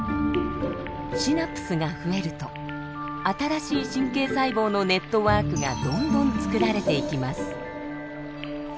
シナプスが増えると新しい神経細胞のネットワークがどんどん作られていきます。